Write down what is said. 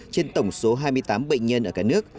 trên tổng số hai mươi tám bệnh nhân ở cả nước